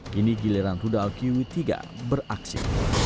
kini giliran rudal qi tiga beraksi